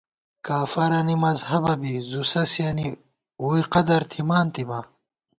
کافَرَنی مذہَبہ بی، زُو سَسِیَنی ووئی قدر تھِمانتِبا